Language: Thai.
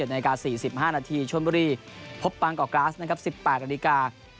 ๑๗นาที๔๕นาทีชวนบุรีพบปางก่อกร้าสนะครับ๑๘นาที